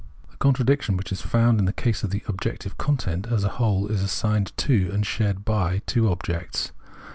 The con tradiction which is found in the case of the objective content as a whole is assigned to and shared by two objects.